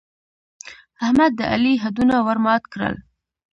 احمد د علي هډونه ور مات کړل.